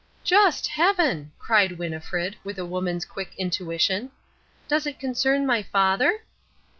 "Just Heaven!" cried Winnifred, with a woman's quick intuition. "Does it concern my father?"